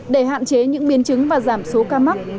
để hạn chế những biến chứng và giảm số ca mắc